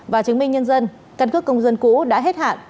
và chứng minh nhân dân căn cước công dân cũ đã hết hạn